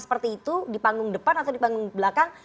seperti itu di panggung depan atau di panggung belakang